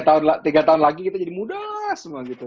tiga tahun lagi kita jadi muda semua gitu